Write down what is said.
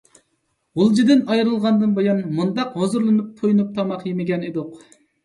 غۇلجىدىن ئايرىلغاندىن بۇيان ، مۇنداق ھۇزۇرلىنىپ، تويۇنۇپ تاماق يېمىگەن ئىدۇق .